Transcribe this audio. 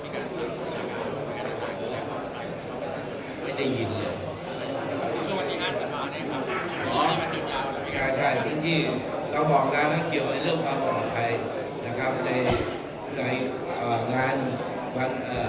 อ๋อใช่ใช่จริงจริงเราบอกแล้วว่าเกี่ยวกับเรื่องภาพบรรยาไทยนะครับในในเอ่องานวันเอ่อ